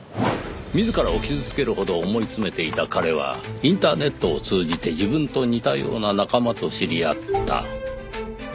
自らを傷つけるほど思い詰めていた彼はインターネットを通じて自分と似たような仲間と知り合った。